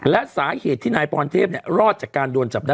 และสาเหตุที่นายพรเทพรอดจากการโดนจับได้